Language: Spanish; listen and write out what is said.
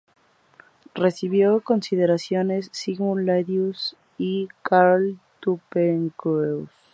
Recibió las condecoraciones "Signum Laudis", y la "Karl-Truppenkreuz".